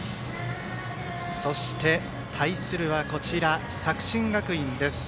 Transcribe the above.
そして、対するは作新学院です。